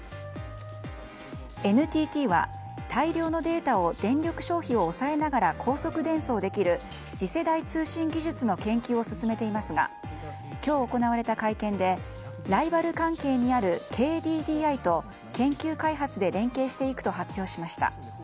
ＮＴＴは大量のデータを電力消費を抑えながら高速伝送できる次世代通信技術の研究を進めていますが今日行われた会見でライバル関係にあるＫＤＤＩと研究開発で連携していくと発表しました。